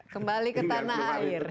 kembali ke tanah air